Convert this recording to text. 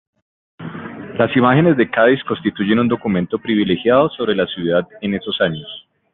Las imágenes de Cádiz constituyen un documento privilegiado sobre la ciudad en esos años.